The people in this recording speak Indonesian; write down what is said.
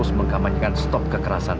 saya mau makan